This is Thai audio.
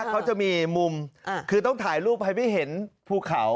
เขาจะมีมุมคือต้องถ่ายรูปให้ไม่เห็นภูเขา